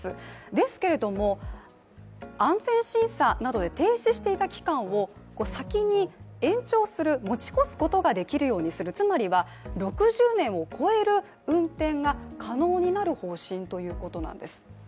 ですけれども、安全審査などで停止していた期間を先に延長する持ち越すことができるようにする、つまりは６０年を超える運転が可能になる方針ということなんです。